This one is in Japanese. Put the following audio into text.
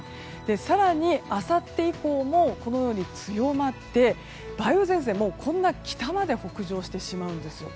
更に、あさって以降も強まって梅雨前線が北まで北上してしまうんですよ。